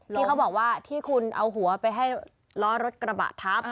ที่เขาบอกว่าที่คุณเอาหัวไปให้ล้อรถกระบะทับ